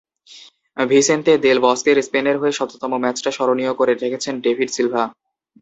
Vicente del Bosque স্পেনের হয়ে শততম ম্যাচটা স্মরণীয় করে রেখেছেন ডেভিড সিলভা।